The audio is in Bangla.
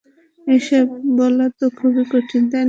এসব বলা তো খুবই কঠিন, তাই না?